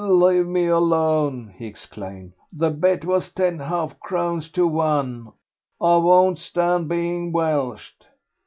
"Leave me alone," he exclaimed; "the bet was ten half crowns to one. I won't stand being welshed."